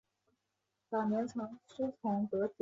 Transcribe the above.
加西认为这是个黄金时机。